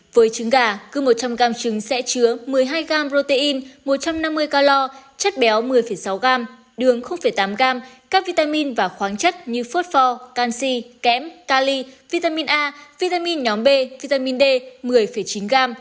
với chứng gà cứ một trăm linh g chứng sẽ chứa một mươi hai g protein một trăm năm mươi calor chất béo một mươi sáu g đường tám g các vitamin và khoáng chất như phốt pho canxi kém cali vitamin a vitamin nhóm b vitamin d một mươi chín g